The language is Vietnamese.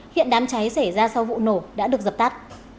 hiện đám cháy xảy ra sau vụ nổ đã được dập tắt